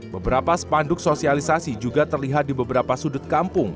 beberapa spanduk sosialisasi juga terlihat di beberapa sudut kampung